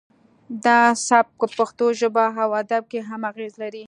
دا سبک په پښتو ژبه او ادب کې هم اغیز لري